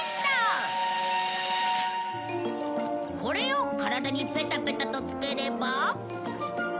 これを体にペタペタとつければ